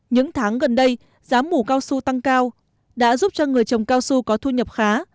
những tháng gần đây giá mủ cao su tăng cao đã giúp cho người trồng cao su có thu nhập khá